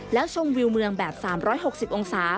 แล้วชมวิวเมืองแบบ๓๖๐องศา